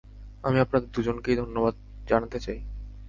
আমি আপনাদের দুজনকেই ধন্যবাদ জানাতে চাই।